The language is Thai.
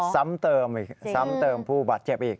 ซ้ำเติมพูดบัตรเจ็บอีก